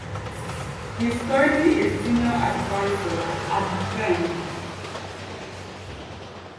He is currently a Senior Advisor at the firm.